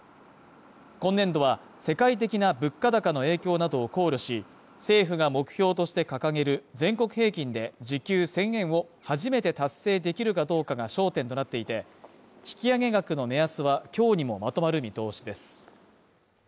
今年度は世界的な物価高の影響などを考慮し政府が目標として掲げる全国平均で時給１０００円を初めて達成できるかどうかが焦点となっていて引き上げ額の目安は今日にもまとまる見通しです